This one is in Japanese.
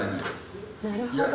なるほど。